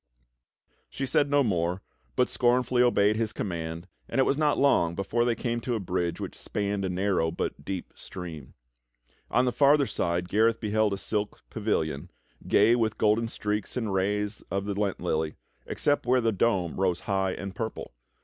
She said no more, but scornfully obeyed his command, and it was not long before they came to a bridge which spanned a narrow but deep stream. On the farther side Gareth beheld a silk pavilion, gay wuth golden streaks and rays of the Lent lily, except where the dome rose high and purple.